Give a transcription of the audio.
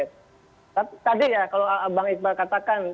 tapi tadi ya kalau bang iqbal katakan